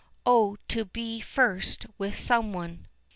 Oh, to be first with someone!